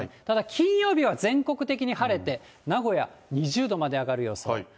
ただ、金曜日は全国的に晴れて、名古屋２０度まで上がる予想。